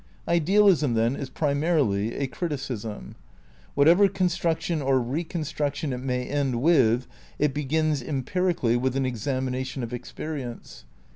Idealism, then, is primarily a criticism. Whatever construction or reconstruction it may end with, it begins empirically with an examination of experience.